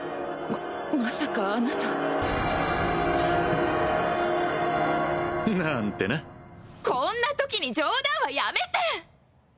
ままさかあなたなんてなこんなときに冗談はやめて！